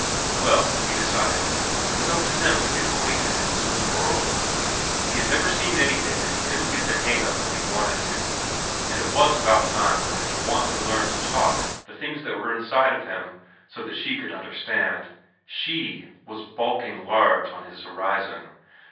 Well, he decided, it was up to him to get acquainted in this new world. He had never seen anything that he couldn't get the hang of when he wanted to and it was about time for him to want to learn to talk the things that were inside of him so that she could understand. She was bulking large on his horizon.